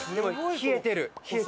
冷えてる！